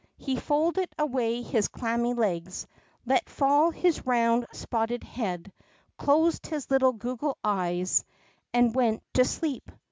He folded away his clammy legs, let fall his round, spotted head, closed his little goggle eyes, and went to sleep.